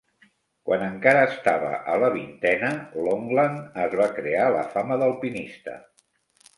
Quan encara estava a la vintena, Longland es va crear la fama d'alpinista.